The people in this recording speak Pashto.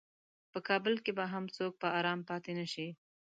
په کابل کې به هم څوک په ارام پاتې نشي.